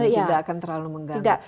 tidak akan terlalu mengganggu